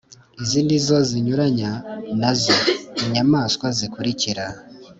izi ni zo zinyuranya na zo: inyamaswa ikurikira